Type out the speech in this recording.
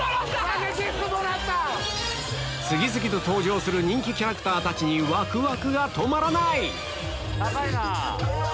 次々と登場する人気キャラクターたちにワクワクが止まらない！